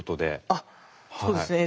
あっそうですね。